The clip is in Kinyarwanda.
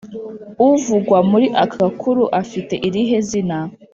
Uvugwa muri aka gakuru afite irihe zina?